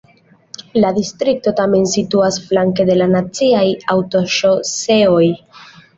La distrikto tamen situas flanke de la naciaj aŭtoŝoseoj.